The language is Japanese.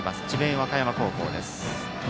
和歌山高校です。